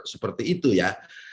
seperti itu ya